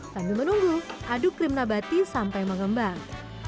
sambil menunggu aduk krim nabati sampai mengembang